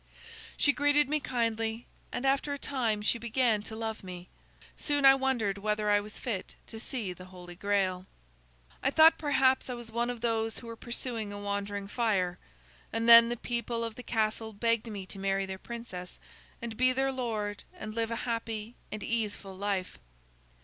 "She greeted me kindly, and after a time she began to love me. Soon I wondered whether I was fit to see the Holy Grail. I thought perhaps I was one of those who were pursuing a wandering fire. And then the people of the castle begged me to marry their princess, and be their lord and live a happy and easeful life.